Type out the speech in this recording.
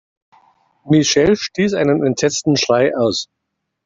Michelle stieß einen entsetzten Schrei aus.